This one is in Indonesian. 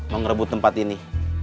mau ngerebut tempat ini